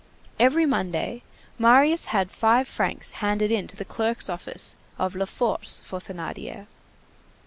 Every Monday, Marius had five francs handed in to the clerk's office of La Force for Thénardier.